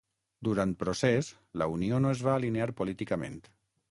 Durant procés la Unió no es va alinear políticament.